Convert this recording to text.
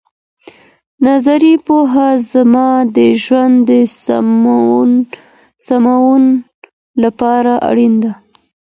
نظري پوهه زموږ د ژوند د سمون لپاره اړینه ده.